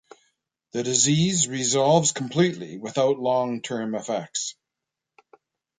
The disease resolves completely without long-term effects.